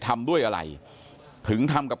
ทำด้วยอะไรถึงทำกับ